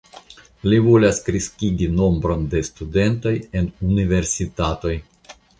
Li volas kreskigi nombron de studentoj en universitatoj.